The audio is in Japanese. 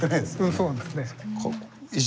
そうなんですね。